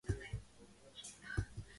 თამაში დაიწყო „ბეტისის“ ახალგაზრდულ გუნდში.